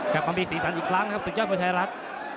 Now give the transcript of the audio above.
กลับมามีสีสันอีกครั้งสุดยอดผู้ชายรัฐ